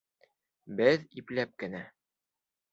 Беҙ ипләп кенә.